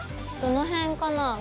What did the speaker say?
どの辺かな